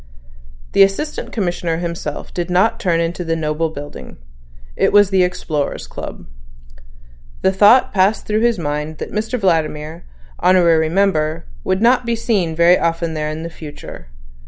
The Assistant Commissioner himself did not turn into the noble building. It was the Explorers' Club. The thought passed through his mind that Mr Vladimir, honorary member, would not be seen very often there in the future.